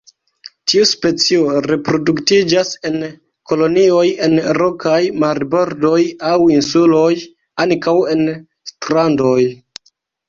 Tiu specio reproduktiĝas en kolonioj en rokaj marbordoj aŭ insuloj, ankaŭ en strandoj.